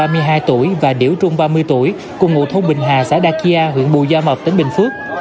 điễu cường ba mươi hai tuổi và điễu trung ba mươi tuổi cùng ngụ thôn bình hà xã đa kia huyện bù gia mập tỉnh bình phước